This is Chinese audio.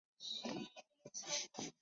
太和岗位于中国广州市越秀区。